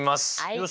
よし！